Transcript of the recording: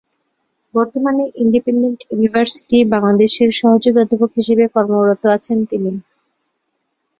বর্তমানে Independent University বাংলাদেশের সহযোগী অধ্যাপক হিসেবে কর্মরত আছেন তিনি।